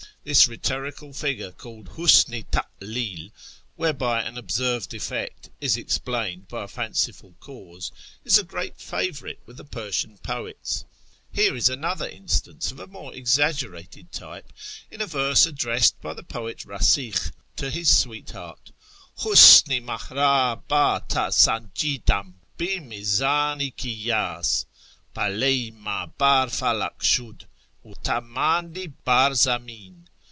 This rhetorical figure (called " husn i talil"), whereljy an observed effect is explained by a fanciful cause, is a great favourite with the Persian poets. Here is another instance of a more exaggerated type, in a verse addressed by the "poet Easikh to his sweetheart —" Husn i mah rd bd tH sanjidam hi viizdn i kiyds : Pcdle' i mah bar falak shud, fc tfc mdndl bar zamin!"